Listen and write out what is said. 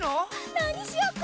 なにしようか？